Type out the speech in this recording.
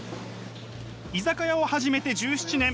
居酒屋を始めて１７年。